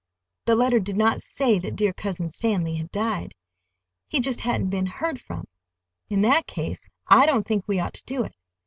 The letter did not say that dear Cousin Stanley had died—he just hadn't been heard from. In that case, I don't think we ought to do it.